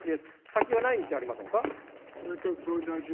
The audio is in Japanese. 先がない道じゃありませんか。